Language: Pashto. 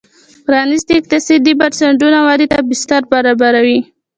پرانیستي اقتصادي بنسټونه ودې ته بستر برابروي.